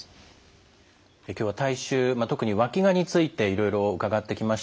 今日は体臭特にわきがについていろいろ伺ってきました。